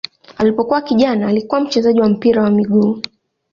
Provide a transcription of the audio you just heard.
Alipokuwa kijana alikuwa mchezaji wa mpira wa miguu.